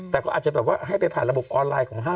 แต่ก็อาจจะแบบว่าให้ไปผ่านระบบออนไลน์ของห้าง